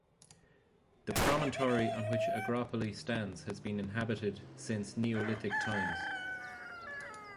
The promontory on which Agropoli stands has been inhabited since Neolithic times.